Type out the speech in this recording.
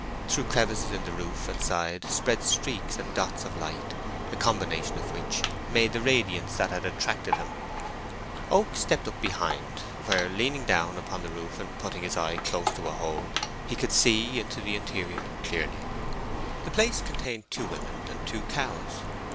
Through crevices in the roof and side spread streaks and dots of light, a combination of which made the radiance that had attracted him. Oak stepped up behind, where, leaning down upon the roof and putting his eye close to a hole, he could see into the interior clearly. The place contained two women and two cows.